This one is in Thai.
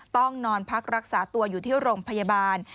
ต้องนอนพักรักษาตัวอยู่ที่โรงพยาบาล